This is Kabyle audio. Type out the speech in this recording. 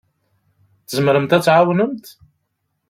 Tzemremt ad d-tɛawnemt?